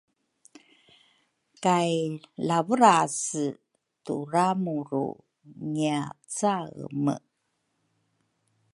kay Lavurase turamuru ngiacaeme.